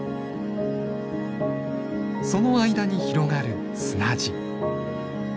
その間に広がる砂地。